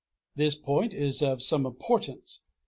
This point is of some importance.